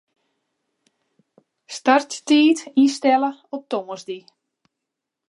Starttiid ynstelle op tongersdei.